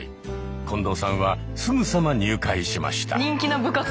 近藤さんはすぐさま入会しました。